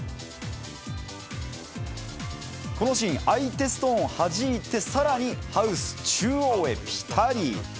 このシーン、相手ストーンをはじいて、さらにハウス中央へぴたり。